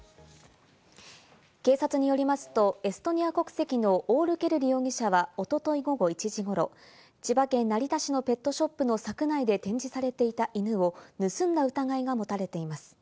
警察によりますと、エストニア国籍のオール・ケルリ容疑者はおととい午後１時ごろ千葉県成田市のペットショップの柵内で展示されていた犬を盗んだ疑いが持たれています。